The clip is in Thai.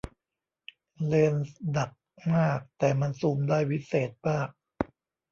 เลนส์หนักมากแต่มันซูมได้วิเศษมาก